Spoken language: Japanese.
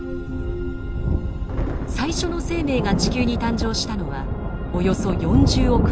最初の生命が地球に誕生したのはおよそ４０億年前。